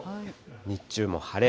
日中も晴れ。